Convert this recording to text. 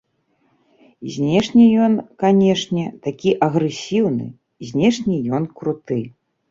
Знешне ён, канешне, такі агрэсіўны, знешне ён круты.